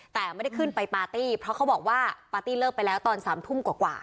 แต่ไม่ได้ขึ้นไปปาร์ตี้เพราะเขาบอกว่าปาร์ตี้เลิกไปแล้วตอน๓ทุ่มกว่า